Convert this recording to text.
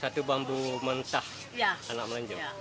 satu bambu mentah anak melenjung